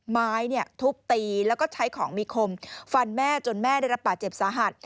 ไม้ทุบตีแล้วก็ใช้ของมีคมฟันแม่จนแม่ได้รับบาดเจ็บสาหัส